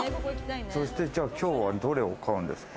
そして今日はどれを買うんですか？